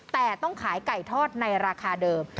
แต่ต้องขายไก่ทอดในราคาเดิม